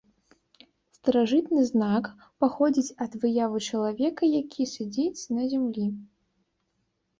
Старажытны знак паходзіць ад выявы чалавека, які сядзіць на зямлі.